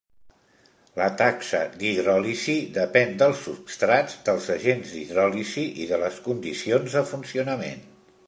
La taxa d'hidròlisi depèn dels substrats, dels agents d'hidròlisi i de les condicions de funcionament.